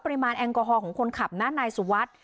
ปริมาณแองกอฮอล์ของคนขับนายสุวรรษ